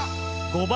５番